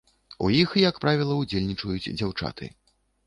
У іх, як правіла, удзельнічаюць дзяўчаты.